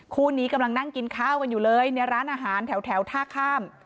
คู่นี้กำลังนั่งกินข้าวกันอยู่เลยในร้านอาหารแถวท่าข้าม